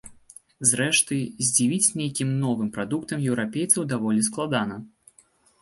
Зрэшты, здзівіць нейкім новым прадуктам еўрапейцаў даволі складана.